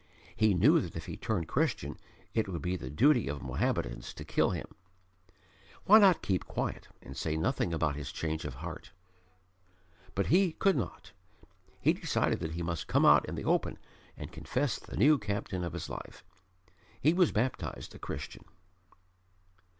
He knew that if he turned Christian it would be the duty of Mohammedans to kill him. Why not keep quiet and say nothing about his change of heart? But he could not. He decided that he must come out in the open and confess the new Captain of his life. He was baptized a Christian.